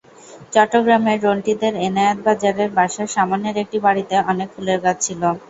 চট্টগ্রামে রন্টিদের এনায়েত বাজারের বাসার সামনের একটি বাড়িতে অনেক ফুলের গাছ ছিল।